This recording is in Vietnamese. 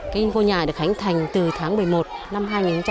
cái ngôi nhà được hành thành từ tháng một mươi một năm hai nghìn một mươi sáu